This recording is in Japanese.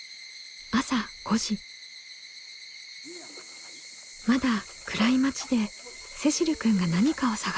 まだ暗い町でせしるくんが何かを探しています。